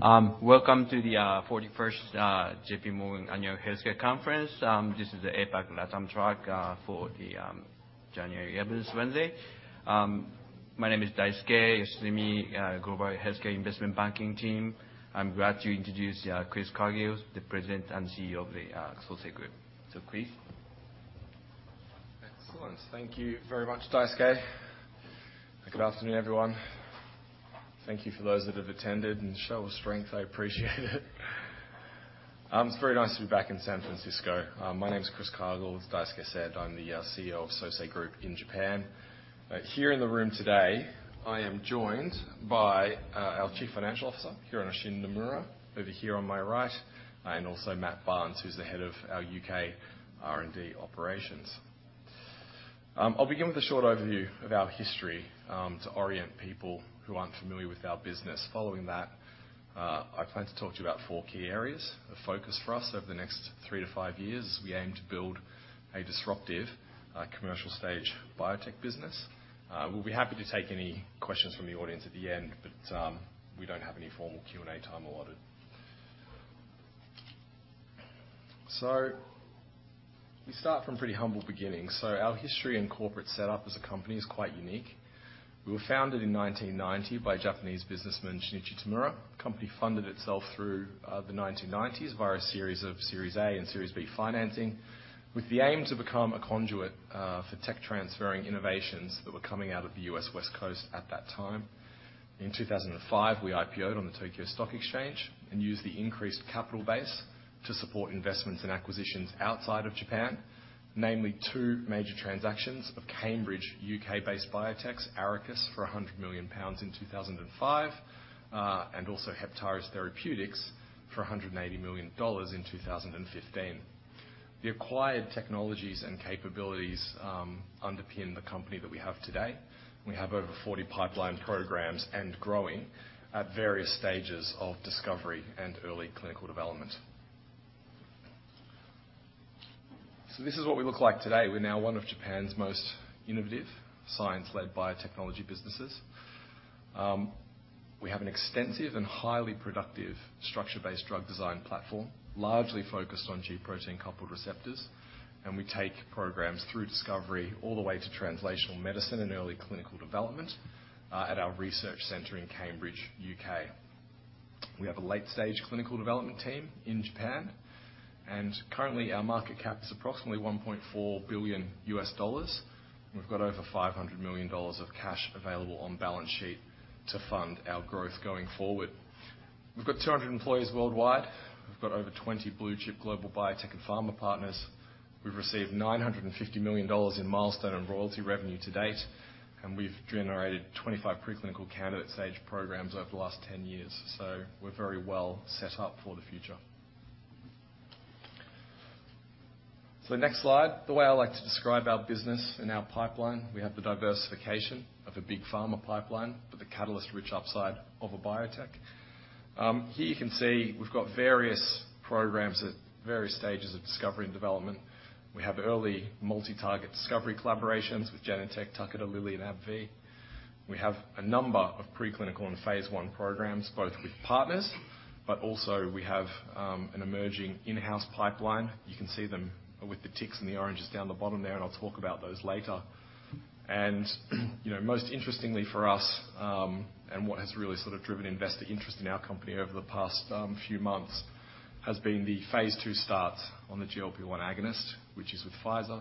Welcome to the 41st J.P. Morgan Annual Healthcare Conference. This is the APAC LatAm track for the January event, this Wednesday. My name is Daisuke Yoshizumi, Global Healthcare Investment Banking team. I'm glad to introduce Chris Cargill, the President and CEO of the Sosei Group. Chris. Excellent. Thank you very much, Daisuke. Good afternoon, everyone. Thank you for those that have attended and show of strength, I appreciate it. It's very nice to be back in San Francisco. My name is Chris Cargill. As Daisuke said, I'm the CEO of Sosei Group in Japan. Here in the room today, I am joined by our Chief Financial Officer, Hironobu Nomura, over here on my right, and also Matt Barnes, who's the head of our U.K. R&D operations. I'll begin with a short overview of our history to orient people who aren't familiar with our business. Following that, I plan to talk to you about 4 key areas of focus for us over the next three-five years as we aim to build a disruptive commercial stage biotech business. We'll be happy to take any questions from the audience at the end, we don't have any formal Q&A time allotted. We start from pretty humble beginnings. Our history and corporate setup as a company is quite unique. We were founded in 1990 by Japanese businessman, Shinichi Tamura. The company funded itself through the 1990s via a series of Series A and Series B financing with the aim to become a conduit for tech transferring innovations that were coming out of the U.S. West Coast at that time. In 2005, we IPO'd on the Tokyo Stock Exchange and used the increased capital base to support investments and acquisitions outside of Japan, namely two major transactions of Cambridge, U.K.-based biotechs, Arakis for 100 million pounds in 2005, and also Heptares Therapeutics for $180 million in 2015. The acquired technologies and capabilities underpin the company that we have today. We have over 40 pipeline programs and growing at various stages of discovery and early clinical development. This is what we look like today. We're now one of Japan's most innovative science-led biotechnology businesses. We have an extensive and highly productive structure-based drug design platform, largely focused on G protein-coupled receptors, and we take programs through discovery all the way to translational medicine and early clinical development at our research center in Cambridge, U.K. We have a late-stage clinical development team in Japan, and currently, our market cap is approximately $1.4 billion. We've got over $500 million of cash available on balance sheet to fund our growth going forward. We've got 200 employees worldwide. We've got over 20 blue-chip global biotech and pharma partners. We've received $950 million in milestone and royalty revenue to date, and we've generated 25 preclinical candidate stage programs over the last 10 years. We're very well set up for the future. The next slide, the way I like to describe our business and our pipeline, we have the diversification of a big pharma pipeline, but the catalyst-rich upside of a biotech. Here you can see we've got various programs at various stages of discovery and development. We have early multi-target discovery collaborations with Genentech, Takeda, Lilly, and AbbVie. We have a number of preclinical and Phase I programs, both with partners, but also we have an emerging in-house pipeline. You can see them with the ticks and the oranges down the bottom there, and I'll talk about those later. You know, most interestingly for us, and what has really sort of driven investor interest in our company over the past few months, has been the Phase II start on the GLP-1 agonist, which is with Pfizer,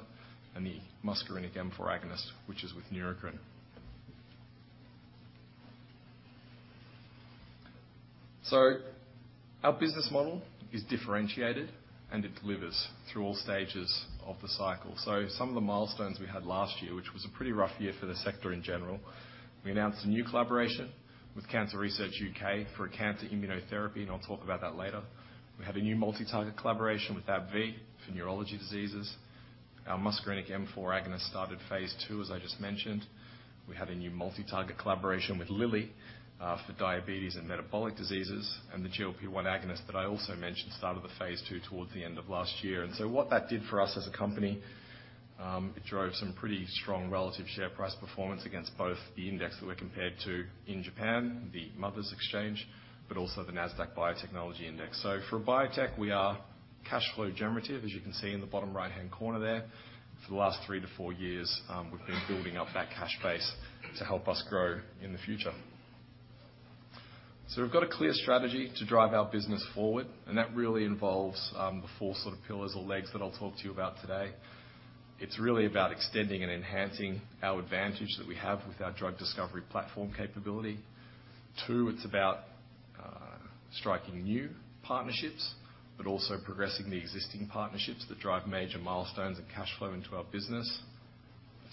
and the muscarinic M4 agonist, which is with Neurocrine. Our business model is differentiated, and it delivers through all stages of the cycle. Some of the milestones we had last year, which was a pretty rough year for the sector in general, we announced a new collaboration with Cancer Research UK for a cancer immunotherapy, and I'll talk about that later. We had a new multi-target collaboration with AbbVie for neurology diseases. Our muscarinic M4 agonist started Phase II, as I just mentioned. We had a new multi-target collaboration with Lilly for diabetes and metabolic diseases, and the GLP-1 agonist that I also mentioned started the Phase II towards the end of last year. What that did for us as a company, it drove some pretty strong relative share price performance against both the index that we're compared to in Japan, the Mothers, but also the Nasdaq Biotechnology Index. For biotech, we are cash flow generative, as you can see in the bottom right-hand corner there. For the last 3 to four years, we've been building up that cash base to help us grow in the future. We've got a clear strategy to drive our business forward, and that really involves the 4 sort of pillars or legs that I'll talk to you about today. It's really about extending and enhancing our advantage that we have with our drug discovery platform capability. 2, it's about striking new partnerships but also progressing the existing partnerships that drive major milestones and cash flow into our business.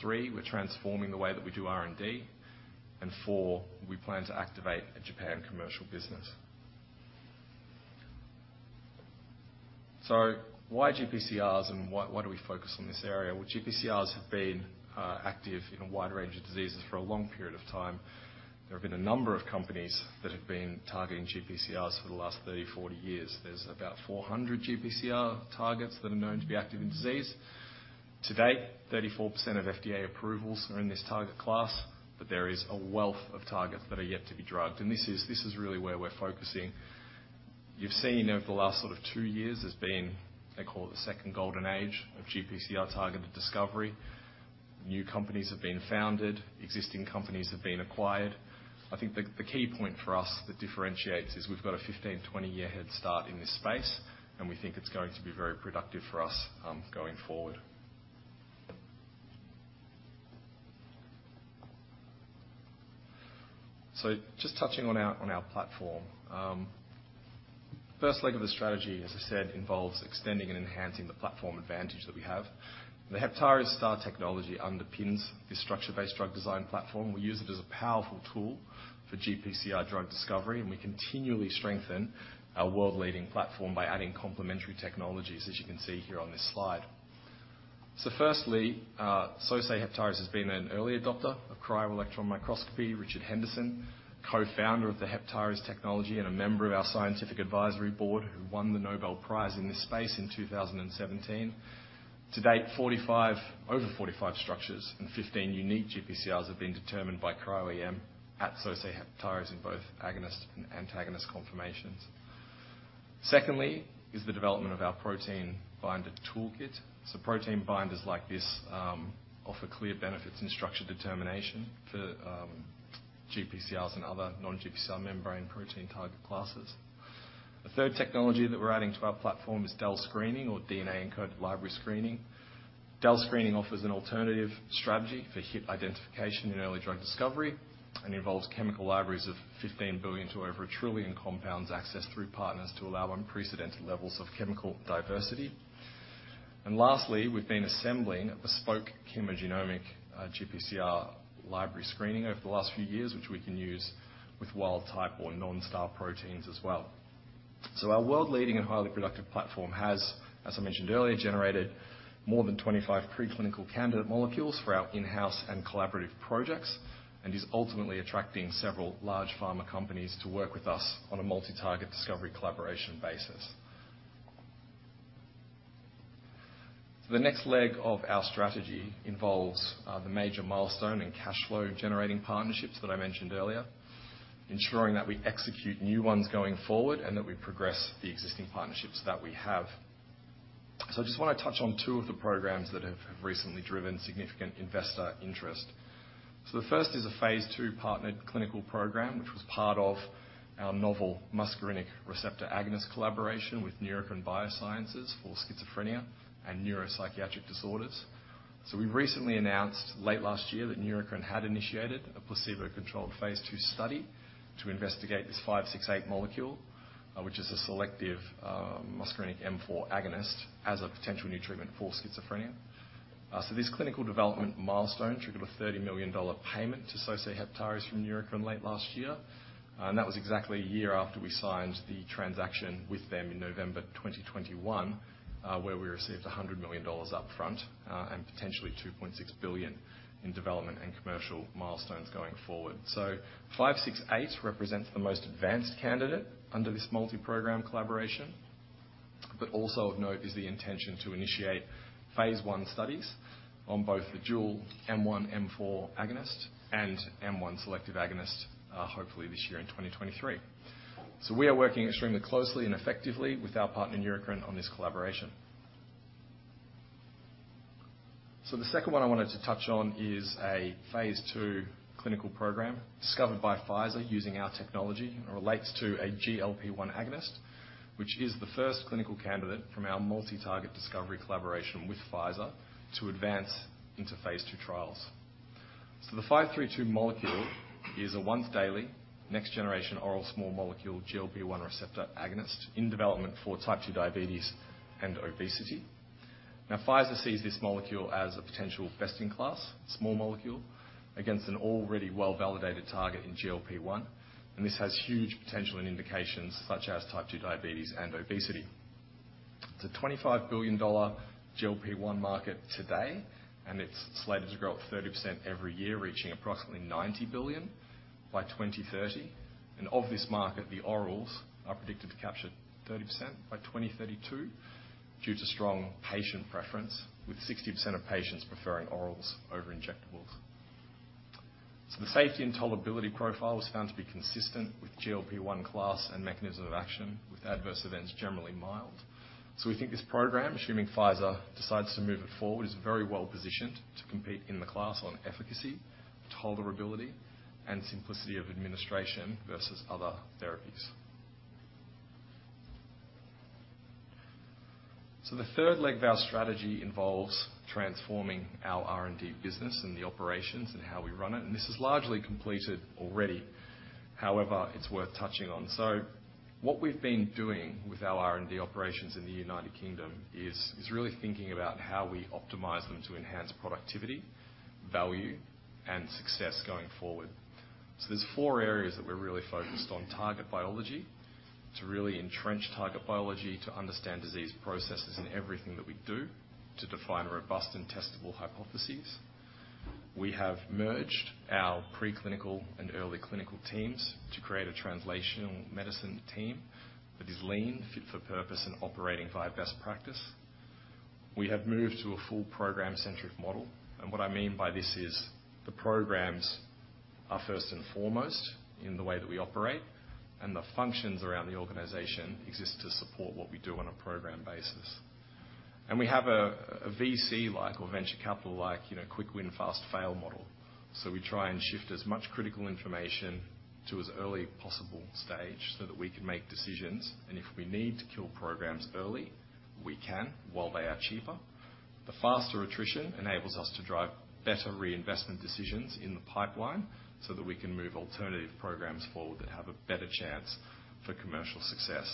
3, we're transforming the way that we do R&D. 4, we plan to activate a Japan commercial business. Why GPCRs and why do we focus on this area? Well, GPCRs have been active in a wide range of diseases for a long period of time. There have been a number of companies that have been targeting GPCRs for the last 30, 40 years. There's about 400 GPCR targets that are known to be active in disease. To date, 34% of FDA approvals are in this target class, there is a wealth of targets that are yet to be drugged, and this is really where we're focusing. You've seen over the last sort of two years there's been, they call it, the second golden age of GPCR targeted discovery. New companies have been founded, existing companies have been acquired. I think the key point for us that differentiates is we've got a 15, 20-year head start in this space, and we think it's going to be very productive for us going forward. Just touching on our platform. First leg of the strategy, as I said, involves extending and enhancing the platform advantage that we have. The Heptares StaR technology underpins this structure-based drug design platform. We use it as a powerful tool for GPCR drug discovery, and we continually strengthen our world-leading platform by adding complementary technologies, as you can see here on this slide. Firstly, Sosei Heptares has been an early adopter of cryo-electron microscopy. Richard Henderson, co-founder of the Heptares technology and a member of our scientific advisory board, who won the Nobel Prize in this space in 2017. To date, 45... Over 45 structures and 15 unique GPCRs have been determined by cryo-EM at Sosei Heptares in both agonist and antagonist conformations. Secondly is the development of our protein binder toolkit. Protein binders like this offer clear benefits in structure determination for GPCRs and other non-GPCR membrane protein target classes. The third technology that we're adding to our platform is DEL screening or DNA encoded library screening. DEL screening offers an alternative strategy for hit identification in early drug discovery, and involves chemical libraries of 15 billion to over a trillion compounds accessed through partners to allow unprecedented levels of chemical diversity. Lastly, we've been assembling a bespoke chemogenomic GPCR library screening over the last few years, which we can use with wild type or non-StaR proteins as well. Our world-leading and highly productive platform has, as I mentioned earlier, generated more than 25 preclinical candidate molecules for our in-house and collaborative projects, and is ultimately attracting several large pharma companies to work with us on a multi-target discovery collaboration basis. The next leg of our strategy involves the major milestone in cash flow generating partnerships that I mentioned earlier, ensuring that we execute new ones going forward and that we progress the existing partnerships that we have. I just want to touch on two of the programs that have recently driven significant investor interest. The first is a Phase II partnered clinical program, which was part of our novel muscarinic receptor agonist collaboration with Neurocrine Biosciences for schizophrenia and neuropsychiatric disorders. We recently announced late last year that Neurocrine had initiated a placebo-controlled Phase II study to investigate this five-six-eight molecule, which is a selective muscarinic M4 agonist as a potential new treatment for schizophrenia. This clinical development milestone triggered a $30 million payment to Sosei Heptares from Neurocrine late last year, and that was exactly a year after we signed the transaction with them in November 2021, where we received $100 million up front, and potentially $2.6 billion in development and commercial milestones going forward. Five-six-eight represents the most advanced candidate under this multi-program collaboration. Also of note is the intention to initiate phase I studies on both the dual M1/M4 agonist and M1 selective agonist, hopefully this year in 2023. We are working extremely closely and effectively with our partner Neurocrine Biosciences on this collaboration. The second one I wanted to touch on is a Phase II clinical program discovered by Pfizer using our technology. It relates to a GLP-1 agonist, which is the first clinical candidate from our multi-target discovery collaboration with Pfizer to advance into Phase II trials. The 532 molecule is a once daily next-generation oral small molecule GLP-1 receptor agonist in development for Type 2 diabetes and obesity. Pfizer sees this molecule as a potential best-in-class small molecule against an already well-validated target in GLP-1, and this has huge potential in indications such as Type 2 diabetes and obesity. It's a $25 billion GLP-1 market today, and it's slated to grow at 30% every year, reaching approximately $90 billion by 2030. Of this market, the orals are predicted to capture 30% by 2032 due to strong patient preference, with 60% of patients preferring orals over injectables. The safety and tolerability profile was found to be consistent with GLP-1 class and mechanism of action, with adverse events generally mild. We think this program, assuming Pfizer decides to move it forward, is very well-positioned to compete in the class on efficacy, tolerability, and simplicity of administration versus other therapies. The third leg of our strategy involves transforming our R&D business and the operations and how we run it, and this is largely completed already. However, it's worth touching on. What we've been doing with our R&D operations in the United Kingdom is really thinking about how we optimize them to enhance productivity, value, and success going forward. There's four areas that we're really focused on. Target biology, to really entrench target biology, to understand disease processes in everything that we do, to define robust and testable hypotheses. We have merged our preclinical and early clinical teams to create a translational medicine team that is lean, fit for purpose, and operating via best practice. We have moved to a full program-centric model, and what I mean by this is the programs are first and foremost in the way that we operate, and the functions around the organization exist to support what we do on a program basis. We have a VC-like, or venture capital-like, quick win, fast fail model. We try and shift as much critical information to as early possible stage so that we can make decisions. If we need to kill programs early, we can while they are cheaper. The faster attrition enables us to drive better reinvestment decisions in the pipeline so that we can move alternative programs forward that have a better chance for commercial success.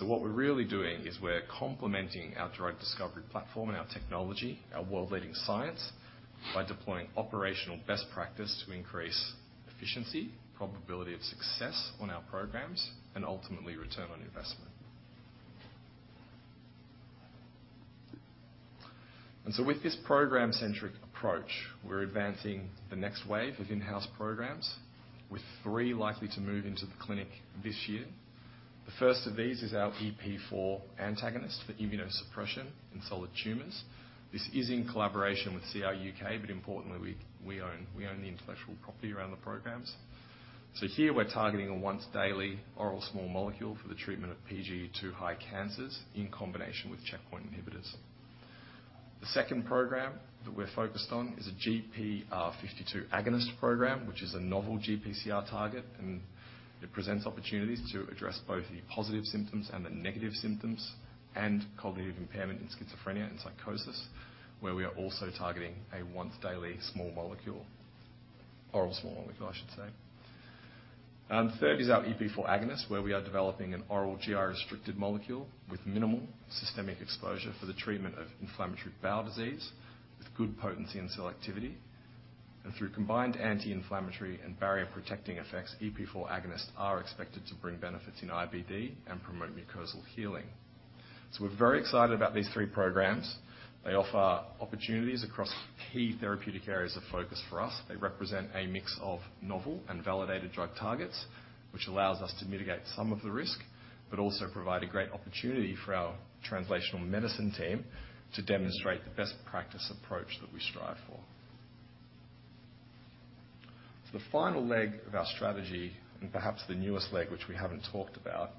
What we're really doing is we're complementing our drug discovery platform and our technology, our world-leading science, by deploying operational best practice to increase efficiency, probability of success on our programs, and ultimately return on investment. With this program-centric approach, we're advancing the next wave of in-house programs, with 3 likely to move into the clinic this year. The first of these is our EP4 antagonist for immunosuppression in solid tumors. This is in collaboration with CRUK, but importantly, we own the intellectual property around the programs. Here we're targeting a once-daily oral small molecule for the treatment of PGE2-high cancers in combination with checkpoint inhibitors. The second program that we're focused on is a GPR52 agonist program, which is a novel GPCR target, and it presents opportunities to address both the positive symptoms and the negative symptoms and cognitive impairment in schizophrenia and psychosis, where we are also targeting a once-daily small molecule. Oral small molecule, I should say. Third is our EP4 agonist, where we are developing an oral GI-restricted molecule with minimal systemic exposure for the treatment of inflammatory bowel disease, with good potency and selectivity. Through combined anti-inflammatory and barrier-protecting effects, EP4 agonists are expected to bring benefits in IBD and promote mucosal healing. We're very excited about these three programs. They offer opportunities across key therapeutic areas of focus for us. They represent a mix of novel and validated drug targets, which allows us to mitigate some of the risk, but also provide a great opportunity for our translational medicine team to demonstrate the best practice approach that we strive for. Perhaps the newest leg, which we haven't talked about,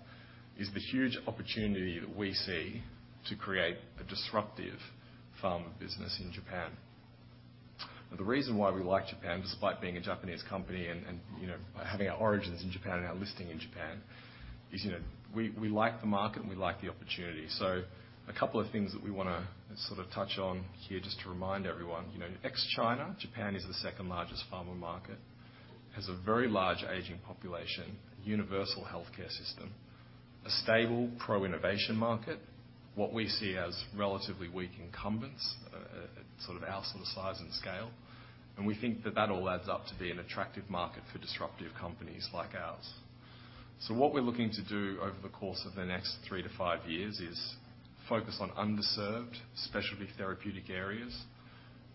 is the huge opportunity that we see to create a disruptive pharma business in Japan. The reason why we like Japan, despite being a Japanese company and, having our origins in Japan and our listing in Japan is, we like the market, we like the opportunity. A couple of things that we wanna sort of touch on here just to remind everyone. You know, ex-China, Japan is the second-largest pharma market. It has a very large aging population, universal healthcare system, a stable pro-innovation market, what we see as relatively weak incumbents, sort of our size and scale, and we think that that all adds up to be an attractive market for disruptive companies like ours. What we're looking to do over the course of the next three to five years is focus on underserved specialty therapeutic areas,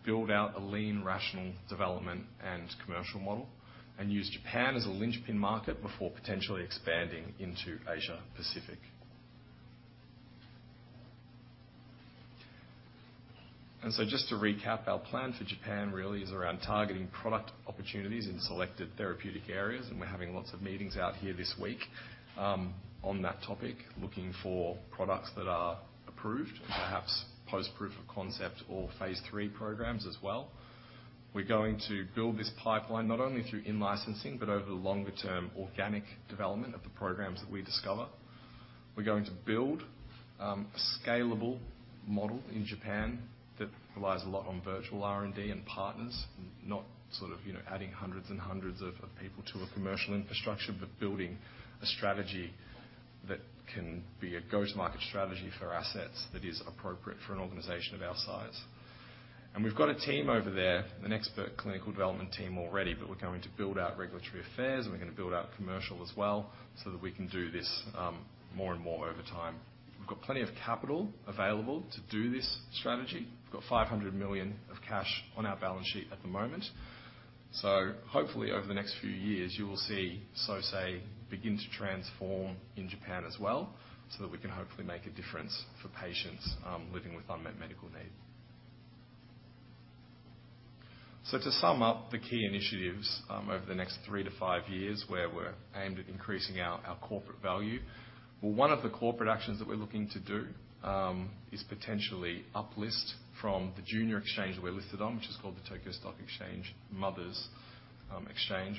build out a lean, rational development and commercial model, and use Japan as a linchpin market before potentially expanding into Asia-Pacific. Just to recap, our plan for Japan really is around targeting product opportunities in selected therapeutic areas, and we're having lots of meetings out here this week on that topic, looking for products that are approved and perhaps post proof of concept or Phase III programs as well. We're going to build this pipeline not only through in-licensing, but over the longer-term organic development of the programs that we discover. We're going to build a scalable model in Japan that relies a lot on virtual R&D and partners, not sort of, adding hundreds and hundreds of people to a commercial infrastructure, but building a strategy that can be a go-to-market strategy for assets that is appropriate for an organization of our size. We've got a team over there, an expert clinical development team already, but we're going to build out regulatory affairs, and we're gonna build out commercial as well, so that we can do this more and more over time. We've got plenty of capital available to do this strategy. We've got 500 million of cash on our balance sheet at the moment. Hopefully, over the next few years, you will see Sosei begin to transform in Japan as well, so that we can hopefully make a difference for patients living with unmet medical need. To sum up the key initiatives, over the next three to five years, where we're aimed at increasing our corporate value. Well, one of the core productions that we're looking to do is potentially up list from the junior exchange that we're listed on, which is called the Tokyo Stock Exchange Mothers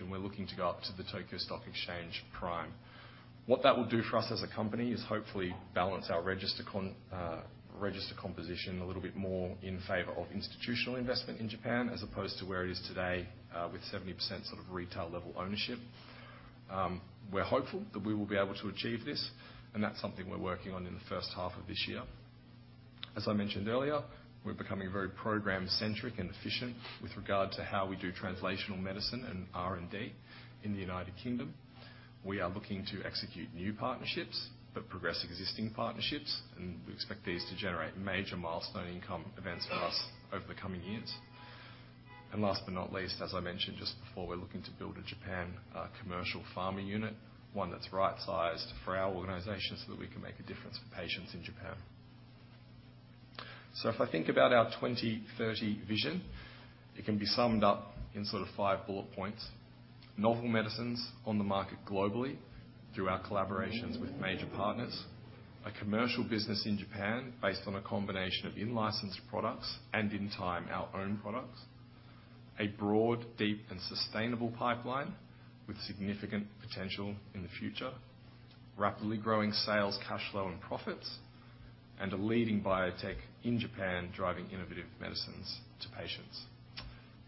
and we're looking to go up to the Tokyo Stock Exchange Prime. What that will do for us as a company is hopefully balance our register composition a little bit more in favor of institutional investment in Japan as opposed to where it is today, with 70% sort of retail-level ownership. We're hopeful that we will be able to achieve this, and that's something we're working on in the first half of this year. As I mentioned earlier, we're becoming very program-centric and efficient with regard to how we do translational medicine and R&D in the United Kingdom. We are looking to execute new partnerships, but progress existing partnerships, and we expect these to generate major milestone income events for us over the coming years. As I mentioned just before, we're looking to build a Japan commercial pharma unit, one that's right-sized for our organization so that we can make a difference for patients in Japan. If I think about our 2030 vision, it can be summed up in 5 bullet points. Novel medicines on the market globally through our collaborations with major partners. A commercial business in Japan based on a combination of in-licensed products and, in time, our own products. A broad, deep, and sustainable pipeline with significant potential in the future. Rapidly growing sales, cash flow, and profits. A leading biotech in Japan driving innovative medicines to patients.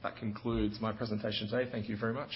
That concludes my presentation today. Thank you very much.